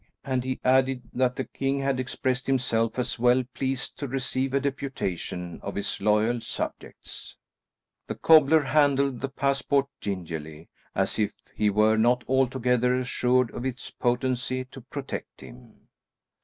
And he added that the king had expressed himself as well pleased to receive a deputation of his loyal subjects. The cobbler handled the passport gingerly, as if he were not altogether assured of its potency to protect him.